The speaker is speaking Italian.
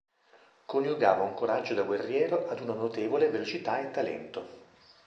Coniugava un coraggio da guerriero ad una notevole velocità e talento.